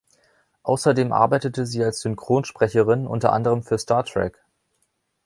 Außerdem arbeitete sie als Synchronsprecherin, unter anderem für "Star Trek".